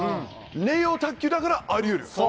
ネオ卓球だからあり得る。